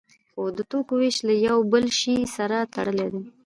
خو د توکو ویش له یو بل شی سره تړلی دی.